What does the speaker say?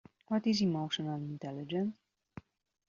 What is emotional intelligence?